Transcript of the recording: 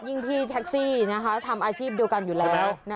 ยิ่งที่แท็กซี่นะคะทำอาชีพเดียวกันอยู่แล้ว